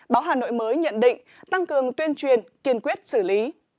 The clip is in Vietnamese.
báo hà nội mới nhận định tăng cường tuyên truyền kiên quyết xử lý